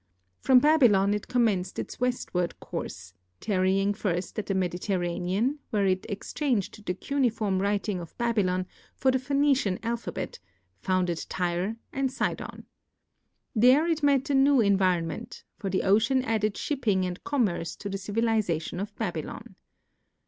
From Babylon it commenced its westward course, tarrying first at the Mediterranean, where it exchanged the cuneiform writing of Babylon for the Phoenician alphabet, founded Tyre and Sidon. There it met a new environment, for the ocean added shipping and commerce to the civilization of Babylon.